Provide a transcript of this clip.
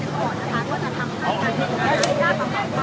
สวัสดีครับ